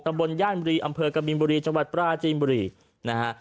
บนย่านบุรีอำเภอกบินบุรีจังหวัดปราจีนบุรีนะฮะ